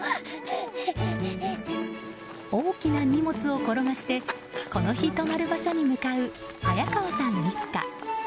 大きな荷物を転がしてこの日、泊まる場所に向かう早川さん一家。